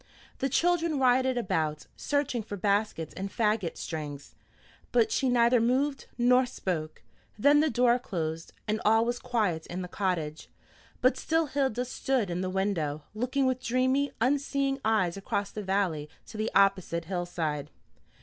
The children rioted about, searching for baskets and fagot strings; but she neither moved nor spoke. Then the door closed, and all was quiet in the cottage. But still Hilda stood in the window, looking with dreamy, unseeing eyes across the valley to the opposite hillside.